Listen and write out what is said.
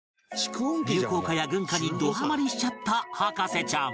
流行歌や軍歌にどハマりしちゃった博士ちゃん